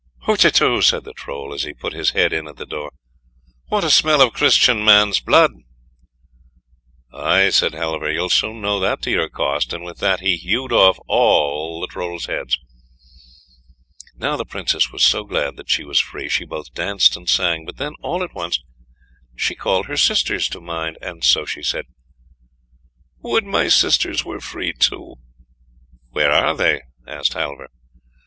"HUTETU," said the Troll, as he put his head in at the door, "what a smell of Christian man's blood!" "Aye," said Halvor, "you'll soon know that to your cost," and with that he hewed off all his heads. Now the Princess was so glad that she was free, she both danced and sang, but then all at once she called her sisters to mind, and so she said: "Would my sisters were free too!" "Where are they?" asked Halvor.